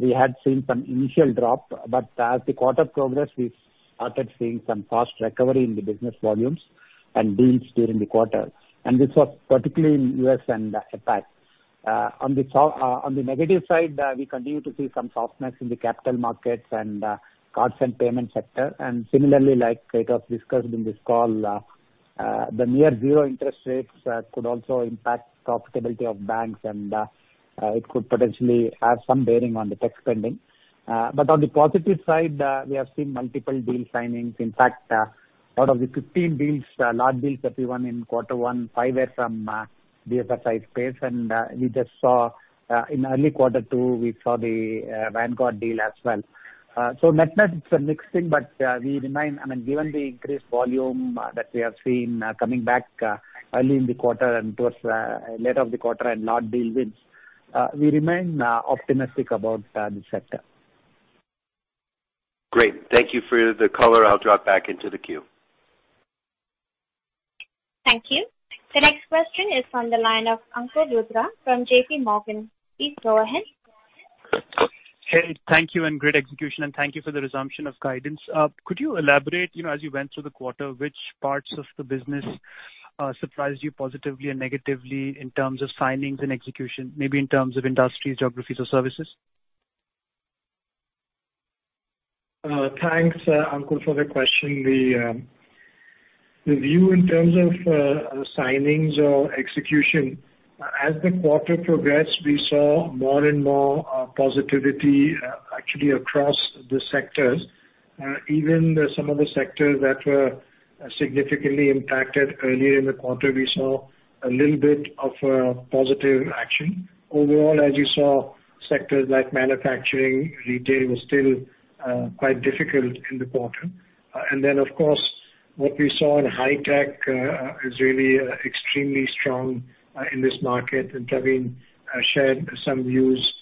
We had seen some initial drop, but as the quarter progressed, we started seeing some fast recovery in the business volumes and deals during the quarter. This was particularly in U.S. and APAC. On the negative side, we continue to see some softness in the capital markets and cards and payment sector. Similarly, like it was discussed in this call, the near zero interest rates could also impact profitability of banks and it could potentially have some bearing on the tech spending. On the positive side, we have seen multiple deal signings. In fact, out of the 15 large deals that we won in quarter one, five were from BFSI space. In early quarter two, we saw the Vanguard deal as well. Net-net, it's a mixed thing, but given the increased volume that we have seen coming back early in the quarter and towards later of the quarter and large deal wins, we remain optimistic about the sector. Great. Thank you for the color. I'll drop back into the queue. Thank you. The next question is on the line of Ankur Rudra from JP Morgan. Please go ahead. Hey. Thank you, and great execution, and thank you for the resumption of guidance. Could you elaborate, as you went through the quarter, which parts of the business surprised you positively and negatively in terms of signings and execution, maybe in terms of industries, geographies, or services? Thanks, Ankur, for the question. The view in terms of signings or execution, as the quarter progressed, we saw more and more positivity actually across the sectors. Even some of the sectors that were significantly impacted earlier in the quarter, we saw a little bit of a positive action. Overall, as you saw, sectors like manufacturing, retail were still quite difficult in the quarter. Of course, what we saw in high tech is really extremely strong in this market. Pravin shared some views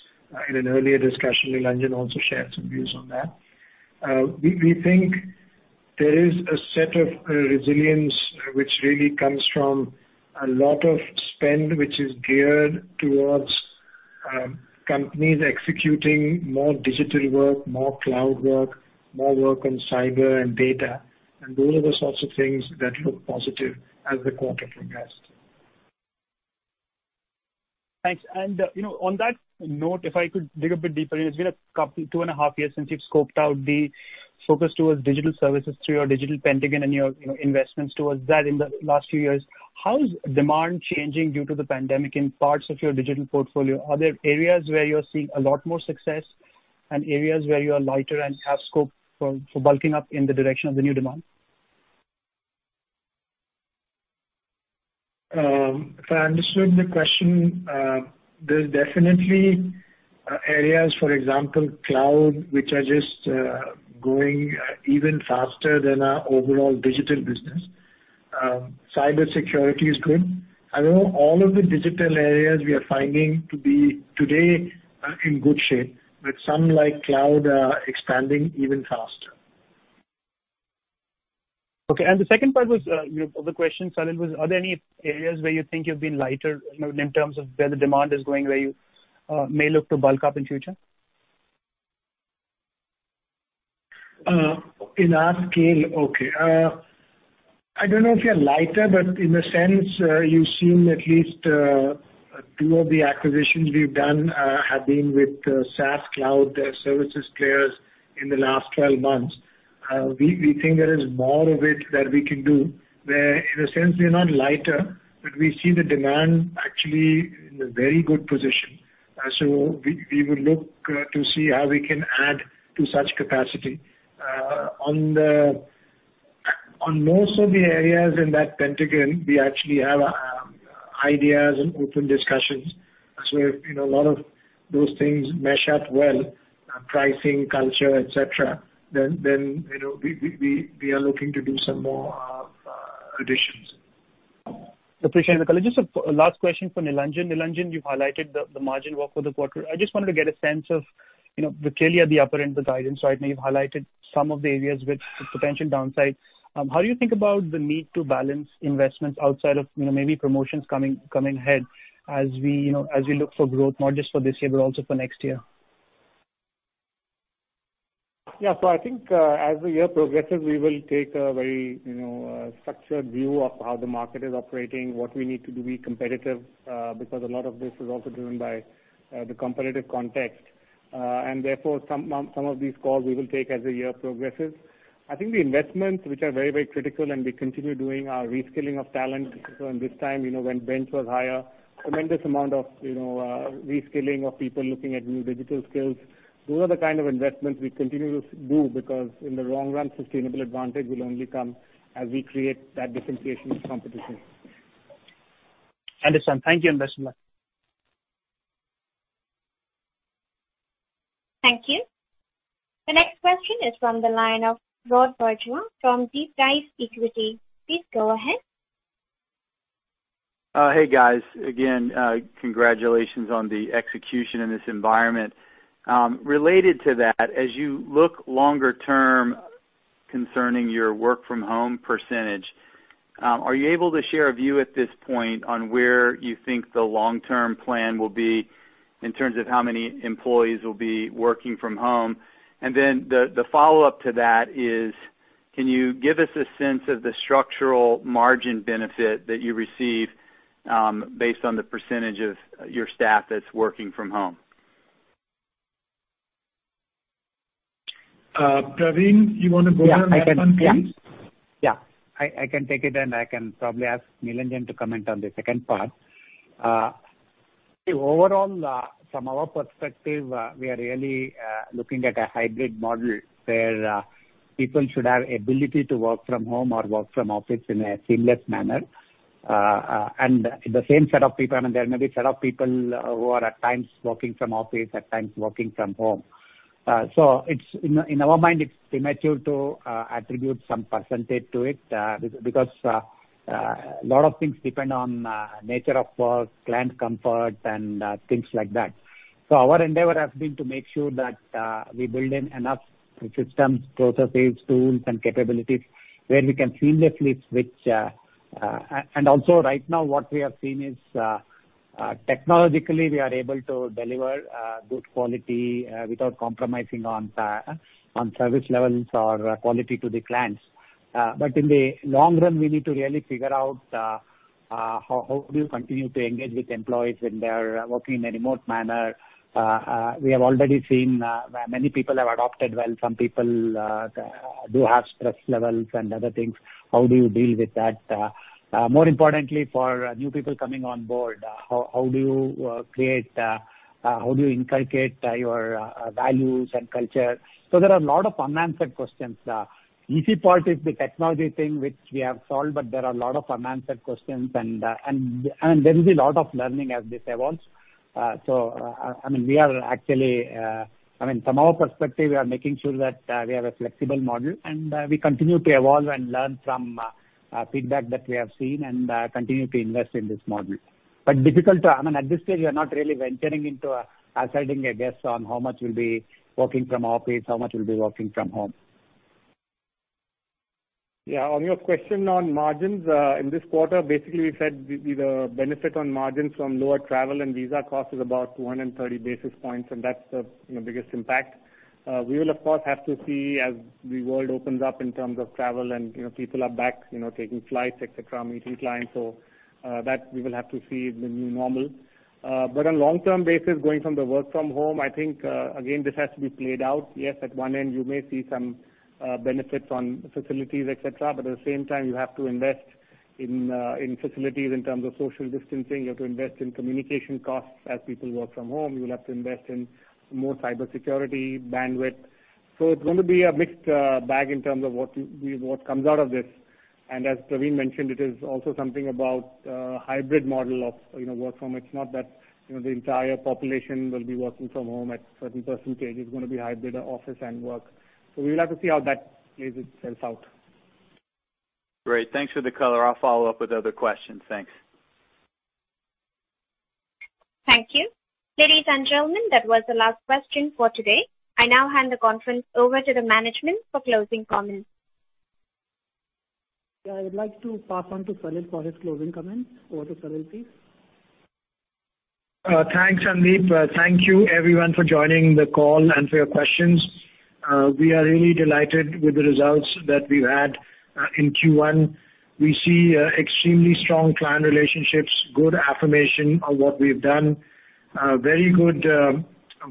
in an earlier discussion. Nilanjan also shared some views on that. We think there is a set of resilience which really comes from a lot of spend, which is geared towards companies executing more digital work, more cloud work, more work on cyber and data. Those are the sorts of things that look positive as the quarter progressed. Thanks. On that note, if I could dig a bit deeper in. It's been two and a half years since you've scoped out the focus towards digital services through your Digital Pentagon and your investments towards that in the last few years. How is demand changing due to the pandemic in parts of your digital portfolio? Are there areas where you're seeing a lot more success and areas where you are lighter and have scope for bulking up in the direction of the new demand? If I understood the question, there's definitely areas, for example, cloud, which are just growing even faster than our overall digital business. Cyber security is good. I know all of the digital areas we are finding to be today are in good shape, but some, like cloud, are expanding even faster. Okay. The second part of the question, Salil, was, are there any areas where you think you've been lighter in terms of where the demand is going, where you may look to bulk up in future? In our scale, okay. I don't know if we are lighter, but in a sense, you've seen at least two of the acquisitions we've done have been with SaaS cloud services players in the last 12 months. We think there is more of it that we can do. Where in a sense, we are not lighter, but we see the demand actually in a very good position. We will look to see how we can add to such capacity. On most of the areas in that Digital Pentagon, we actually have ideas and open discussions. If a lot of those things mesh up well, pricing, culture, et cetera, then we are looking to do some more additions. Appreciate the color. Just a last question for Nilanjan. Nilanjan, you've highlighted the margin walk for the quarter. I just wanted to get a sense of, we're clearly at the upper end of the guidance, right? You've highlighted some of the areas with potential downsides. How do you think about the need to balance investments outside of maybe promotions coming ahead as we look for growth, not just for this year, but also for next year? Yeah. I think as the year progresses, we will take a very structured view of how the market is operating, what we need to do to be competitive, because a lot of this is also driven by the competitive context. Therefore, some of these calls we will take as the year progresses. I think the investments, which are very, very critical, and we continue doing our reskilling of talent. In this time, when bench was higher, tremendous amount of reskilling of people, looking at new digital skills. Those are the kind of investments we continue to do, because in the long run, sustainable advantage will only come as we create that differentiation with competition. Understood. Thank you. Best of luck. Thank you. The next question is from the line of Rod Bourgeois from DeepDive Equity Research. Please go ahead. Hey, guys. Again, congratulations on the execution in this environment. Related to that, as you look longer term concerning your work from home percentage, are you able to share a view at this point on where you think the long-term plan will be in terms of how many employees will be working from home? The follow-up to that is, can you give us a sense of the structural margin benefit that you receive, based on the percentage of your staff that's working from home? Pravin, you want to go down that one, please? Yeah. I can take it, and I can probably ask Nilanjan to comment on the second part. Overall, from our perspective, we are really looking at a hybrid model where people should have ability to work from home or work from office in a seamless manner. The same set of people, there may be a set of people who are at times working from office, at times working from home. In our mind, it's premature to attribute some percentage to it, because a lot of things depend on nature of work, client comfort, and things like that. Our endeavor has been to make sure that we build in enough systems, processes, tools, and capabilities where we can seamlessly switch. Also, right now, what we have seen is, technologically, we are able to deliver good quality without compromising on service levels or quality to the clients. In the long run, we need to really figure out how do you continue to engage with employees when they are working in a remote manner. We have already seen many people have adopted well. Some people do have stress levels and other things. How do you deal with that? More importantly, for new people coming on board, how do you inculcate your values and culture? There are a lot of unanswered questions. Easy part is the technology thing, which we have solved, but there are a lot of unanswered questions. There will be a lot of learning as this evolves. From our perspective, we are making sure that we have a flexible model, and we continue to evolve and learn from feedback that we have seen and continue to invest in this model. At this stage, we are not really venturing into asserting a guess on how much will be working from office, how much will be working from home. Yeah. On your question on margins. In this quarter, basically, we said the benefit on margins from lower travel and visa cost is about 130 basis points, and that's the biggest impact. We will, of course, have to see as the world opens up in terms of travel and people are back taking flights, et cetera, meeting clients. That we will have to see the new normal. On long-term basis, going from the work from home, I think, again, this has to be played out. Yes, at one end, you may see some benefits on facilities, et cetera. At the same time, you have to invest in facilities in terms of social distancing. You have to invest in communication costs as people work from home. You will have to invest in more cybersecurity bandwidth. It's going to be a mixed bag in terms of what comes out of this. As Pravin mentioned, it is also something about a hybrid model of work from. It's not that the entire population will be working from home at certain percentage. It's going to be hybrid of office and work. We will have to see how that plays itself out. Great. Thanks for the color. I'll follow up with other questions. Thanks. Thank you. Ladies and gentlemen, that was the last question for today. I now hand the conference over to the management for closing comments. Yeah, I would like to pass on to Salil for his closing comments. Over to Salil, please. Thanks, Sandeep. Thank you, everyone, for joining the call and for your questions. We are really delighted with the results that we've had in Q1. We see extremely strong client relationships, good affirmation on what we've done. Very good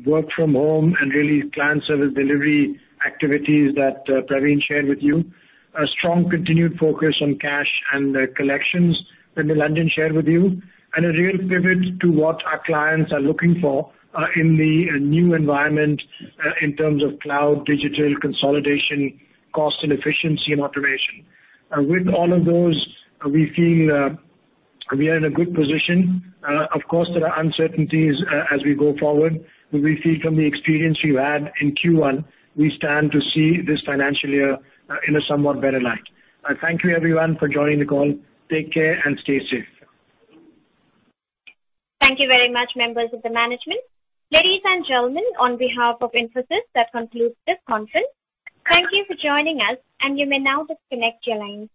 work from home and really client service delivery activities that Pravin shared with you. A strong continued focus on cash and collections that Nilanjan shared with you. A real pivot to what our clients are looking for in the new environment in terms of cloud, digital consolidation, cost and efficiency, and automation. With all of those, we feel we are in a good position. Of course, there are uncertainties as we go forward. We feel from the experience we've had in Q1, we stand to see this financial year in a somewhat better light. Thank you, everyone, for joining the call. Take care and stay safe. Thank you very much, members of the management. Ladies and gentlemen, on behalf of Infosys, that concludes this conference. Thank you for joining us, and you may now disconnect your lines.